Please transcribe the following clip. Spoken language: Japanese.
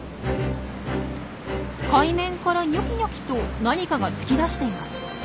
海面からニョキニョキと何かが突き出しています。